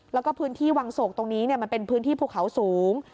แล้วก็พื้นที่วังโศกตรงนี้มันเป็นพื้นที่ภูเขาสูง